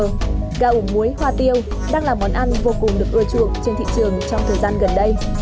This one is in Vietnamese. gà ổ muối hoa tiêu đang là món ăn vô cùng được ưa chuộng trên thị trường trong thời gian gần đây